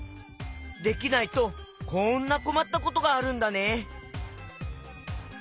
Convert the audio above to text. できないとこんなこまったことがあるんだね。